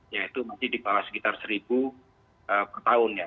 yaitu masih di bawah sekitar seribu per tahun ya